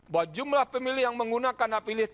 bahwa jumlah pemilih yang menggunakan api lalu